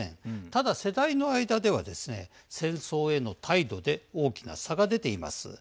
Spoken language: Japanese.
ただ、世代の間ではですね戦争への態度で大きな差が出ています。